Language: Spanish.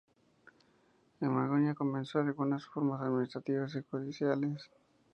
En Maguncia, comenzó algunas reformas administrativas y judiciales.